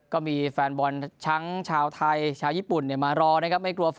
ก็มีแฟนบอลทั้งชาวไทยชาวญี่ปุ่นมารอนะครับไม่กลัวฝน